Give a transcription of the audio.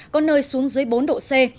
có nơi xuống dưới bốn độ c